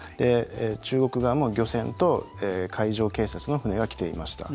中国側も漁船と海上警察の船が来ていました。